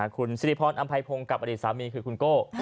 คุณสิริพรอำไพพงศ์กับอดีตสามีคือคุณโก้